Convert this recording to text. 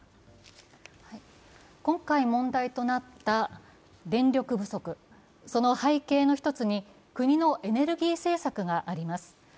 今回問題となった電力不足、その背景の１つに国のエネルギー政策があります。